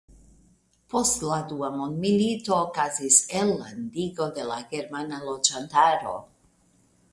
Post la dua mondmilito okazis elllandigo de la germana loĝantaro.